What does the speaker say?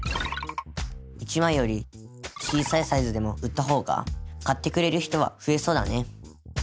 １枚より小さいサイズでも売ったほうが買ってくれる人は増えそうだね。